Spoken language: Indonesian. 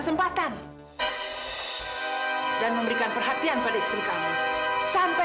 sampai jumpa di video selanjutnya